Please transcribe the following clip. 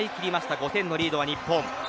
５点のリードは日本。